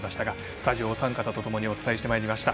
スタジオ、お三方とともにお伝えしてまいりました。